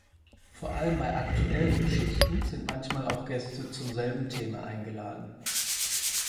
Vor allem bei aktuellen Geschichten sind manchmal auch Gäste zum selben Thema eingeladen.